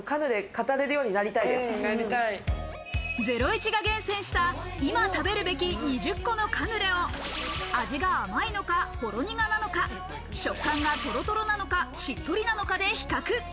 『ゼロイチ』が厳選した今食べるべき２０個のカヌレを味があまいのかほろにがなのか、食感がとろとろなのか、しっとりなのかで比較。